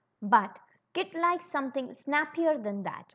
But Kit likes something snappier than that.